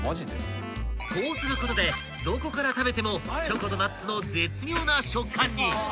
［こうすることでどこから食べてもチョコとナッツの絶妙な食感に］